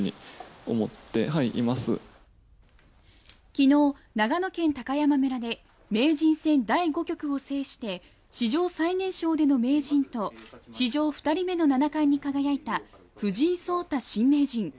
昨日、長野県高山村で名人戦第５局を制して史上最年少での名人と史上２人目の七冠に輝いた藤井聡太新名人。